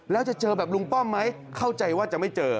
แล้วจะเจอแบบลุงป้อมไหมเข้าใจว่าจะไม่เจอ